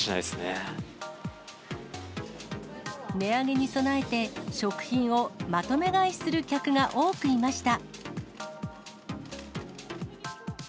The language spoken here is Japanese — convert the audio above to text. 値上げに備えて、食品をまとめ買いする客が多くいました。